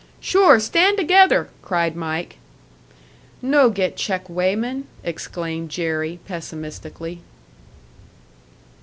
"Sure, stand together!" cried Mike. "No get check weighman!" exclaimed Jerry, pessimistically.